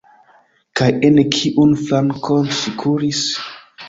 Kaj en kiun flankon ŝi kuris?